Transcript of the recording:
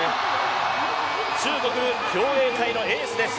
中国、競泳界のエースです。